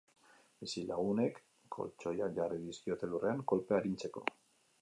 Bizilagunek koltxoiak jarri dizkiote lurrean, kolpea arintzeko.